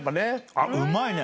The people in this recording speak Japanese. あっうまいね。